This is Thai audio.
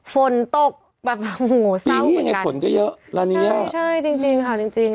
ฝนตกแบบโหเศร้าเหมือนกันใช่จริงค่ะจริง